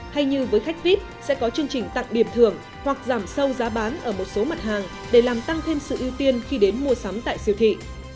hay như với khách vip sẽ có chương trình tặng điểm thưởng hoặc giảm sâu giá bán ở một số mặt hàng để làm tăng thêm sự ưu tiên khi đến mua sắm tại siêu thị